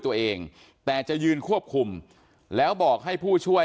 อันนี้มันต้องมีเครื่องชีพในกรณีที่มันเกิดเหตุวิกฤตจริงเนี่ย